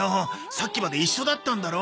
さっきまで一緒だったんだろ？